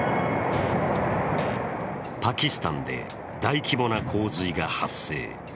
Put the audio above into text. パキスタンで大規模な洪水が発生。